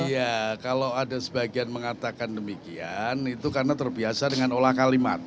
iya kalau ada sebagian mengatakan demikian itu karena terbiasa dengan olah kalimat